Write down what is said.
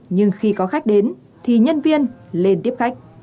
nhưng khi có khách đến thì nhân viên lên tiếp khách